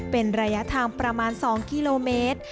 เป็นระยะทางประมาณ๒กิโลเมตร